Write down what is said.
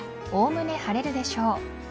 おおむね晴れるでしょう。